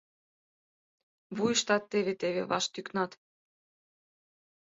Вуйыштат теве-теве ваш тӱкнат.